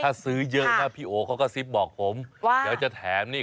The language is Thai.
ถ้าซื้อเยอะนะพี่โอเขาก็ซิบบอกผมว่าเดี๋ยวจะแถมนี่